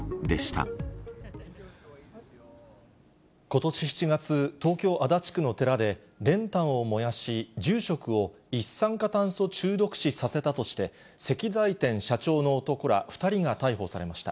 ことし７月、東京・足立区の寺で、練炭を燃やし、住職を一酸化炭素中毒死させたとして、石材店社長の男ら２人が逮捕されました。